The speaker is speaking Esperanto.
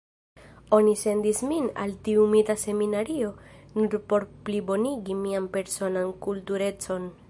Oni sendis min al tiu mita seminario nur por plibonigi mian personan kulturecon.